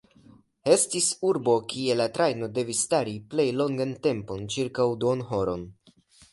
Estis urbo kie la trajno devis stari plej longan tempon – ĉirkaŭ duonhoron.